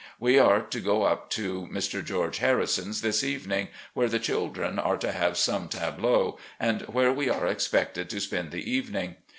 We are to go up to Mr. George Harrison's this evening, where the children are to have some tableaux, and where we are expected to spend the evening.